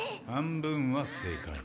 半分は正解。